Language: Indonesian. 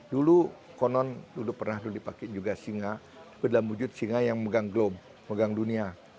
dulu konon dulu pernah dipakai juga singa dalam wujud singa yang memegang gelomb memegang dunia